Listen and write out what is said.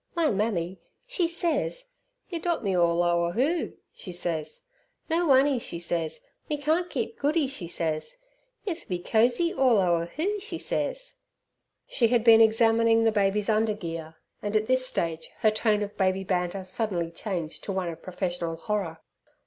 "My mammy, she sez, yer dot me all o'a hoo, she sez. No wunny, she sez, me can't keep goody, she sez, 'ith me cosey all o'a hoo, she sez." She had been examining the baby's undergear, and at this stage her tone of baby banter suddenly changed to one of professional horror.